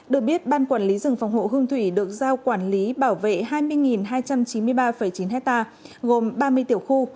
được biết ban quản lý rừng phòng hộ hương thủy được giao quản lý bảo vệ hai mươi hai trăm chín mươi ba chín hectare gồm ba mươi tiểu khu